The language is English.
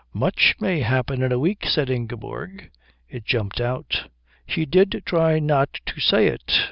"Much may happen in a week," said Ingeborg. It jumped out. She did try not to say it.